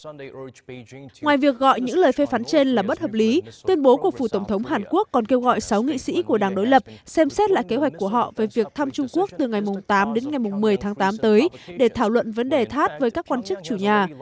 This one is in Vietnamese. ngoài việc gọi những lời phê phán trên là bất hợp lý tuyên bố của phủ tổng thống hàn quốc còn kêu gọi sáu nghị sĩ của đảng đối lập xem xét lại kế hoạch của họ về việc thăm trung quốc từ ngày tám đến ngày một mươi tháng tám tới để thảo luận vấn đề tháp với các quan chức chủ nhà